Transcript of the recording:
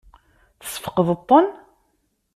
Tesfeqdeḍ-ten?